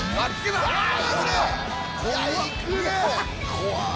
怖っ！